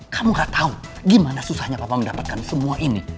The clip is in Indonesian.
kamu gak tau gimana susahnya papa mendapatkan semua ini